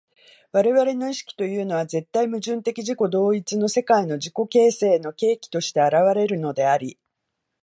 我々の意識というのは絶対矛盾的自己同一の世界の自己形成の契機として現れるのであり、